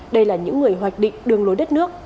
đây là những người hoạch định đường lối đất nước